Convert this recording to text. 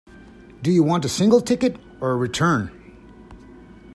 Do you want a single ticket, or a return?